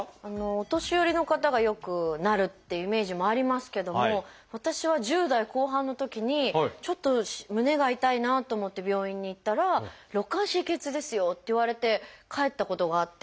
お年寄りの方がよくなるっていうイメージもありますけども私は１０代後半のときにちょっと胸が痛いなと思って病院に行ったら「肋間神経痛ですよ」って言われて帰ったことがあって。